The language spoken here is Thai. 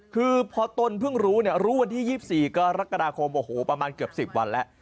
คือพอตนเพิ่งรู้เนี่ยรู้วันที่๒๔กรกฎาคมโอ้โหประมาณเกือบ๑๐วันแล้ว